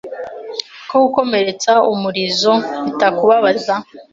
Ko gukomeretsa umurizo bitakubabaza